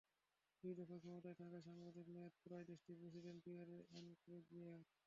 দুই দফায় ক্ষমতায় থাকার সাংবিধানিক মেয়াদ ফুরায় দেশটির প্রেসিডেন্ট পিয়েরে এনকুরুনজিজার।